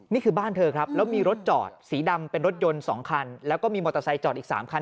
นี่คือบ้านเธอครับแล้วมีรถจอดสีดำเป็นรถยนต์๒คันแล้วก็มีมอเตอร์ไซค์จอดอีก๓คัน